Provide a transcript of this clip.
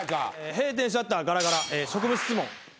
閉店シャッターガラガラ職務質問。